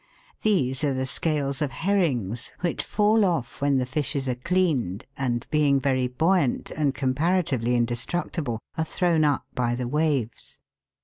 These are the scales of herrings, which fall off when the fishes are cleaned, and, being very buoyant, and comparatively indestructible, are thrown up by the waves.